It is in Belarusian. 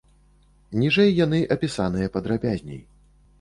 Ніжэй яны апісаныя падрабязней.